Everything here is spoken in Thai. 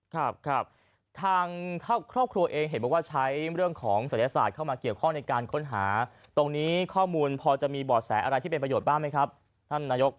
ครับครับทางครอบครัวเองเห็นบอกว่าใช้เรื่องของศัยศาสตร์เข้ามาเกี่ยวข้องในการค้นหาตรงนี้ข้อมูลพอจะมีบ่อแสอะไรที่เป็นประโยชน์บ้างไหมครับท่านนายก